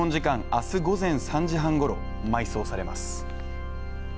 明日午前３時半ごろ埋葬されます